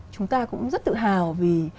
chúng ta cũng rất tự hào vì